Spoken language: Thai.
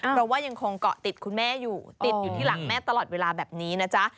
เพราะว่ายังคงเกาะติดคุณแม่อยู่ติดอยู่ที่หลังแม่ตลอดเวลาแบบนี้นะจ๊ะ